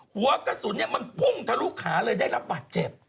หัวกระสุนมันพุ่งทะลุขาเลยได้รับบาดเจ็บ